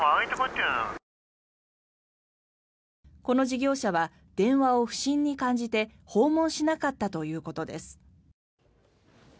この事業者は電話を不審に感じて訪問しなかったということです。